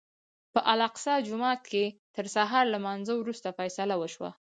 په الاقصی جومات کې تر سهار لمانځه وروسته فیصله وشوه.